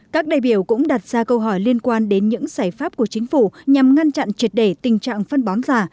các đại biểu cũng đặt ra câu hỏi liên quan đến những giải pháp của chính phủ nhằm ngăn chặn triệt để tình trạng phân bón giả